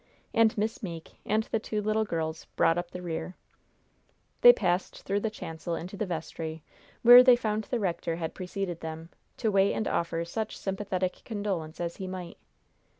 And Miss Meeke and the two little girls brought up the rear. They passed through the chancel into the vestry, where they found the rector had preceded them, to wait and offer such sympathetic condolence as he might.